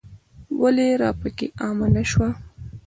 ولې راپکې عامه نه شوه.